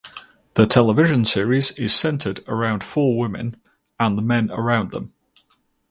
The television series is centred around four women and the men around them.